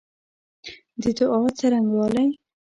د دعا څرنګوالی